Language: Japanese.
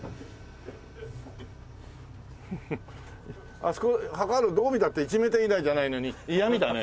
あそこ測るどう見たって１メーター以内じゃないのに嫌みだね。